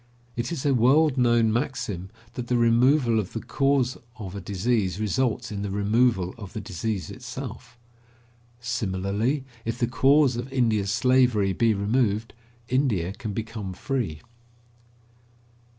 It is a world known maxim that the removal of the cause of a disease results in the removal of the disease itself. Similarly, if the cause of India's slavery be removed, India can become free.